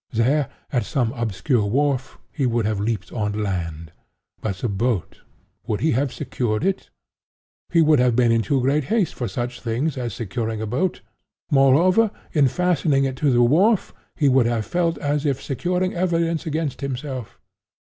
There, at some obscure wharf, he would have leaped on land. But the boat—would he have secured it? He would have been in too great haste for such things as securing a boat. Moreover, in fastening it to the wharf, he would have felt as if securing evidence against himself.